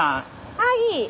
はい！